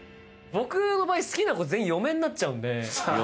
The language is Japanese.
僕の場合好きな子全員嫁になっちゃうんで。